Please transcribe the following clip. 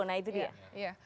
nah itu dia